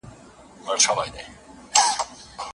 که پرمختګ وي نو ټولنه نه وروسته کیږي.